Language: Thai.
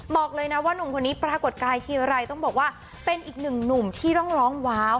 บอกเลยนะว่านุ่มคนนี้ปรากฏกายทีไรต้องบอกว่าเป็นอีกหนึ่งหนุ่มที่ต้องร้องว้าว